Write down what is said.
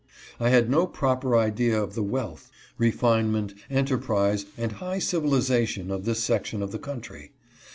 I had no proper idea of the wealth, refinement, enterprise, and high civilization of this section of the country.